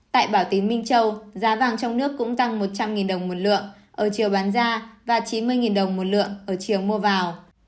tại bảo tín minh châu giá vàng trong nước cũng tăng một trăm linh đồng một lượng ở chiều bán ra và chín mươi đồng một lượng ở chiều mua vào